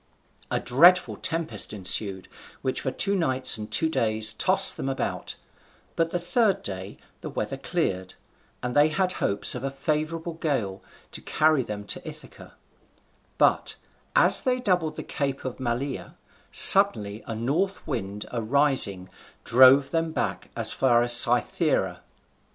A dreadful tempest ensued, which for two nights and two days tossed them about, but the third day the weather cleared, and they had hopes of a favourable gale to carry them to Ithaca; but, as they doubled the Cape of Malea, suddenly a north wind arising drove them back as far as Cythera.